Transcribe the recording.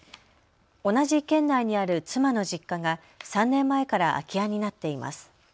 同じ県内にある妻の実家が３年前から空き家になっています。